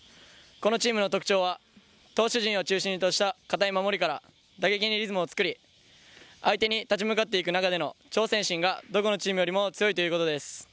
このチームの特徴は投手陣を中心とした堅い守りから打撃にリズムを作り相手に立ち向かっていく中での挑戦心がどこのチームよりも強いということです。